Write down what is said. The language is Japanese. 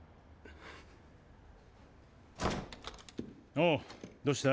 おうどうした？